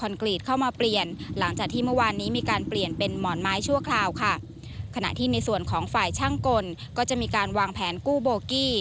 ในส่วนของฝ่ายชั่งกลก็จะมีการวางแผนกู้โบรกิ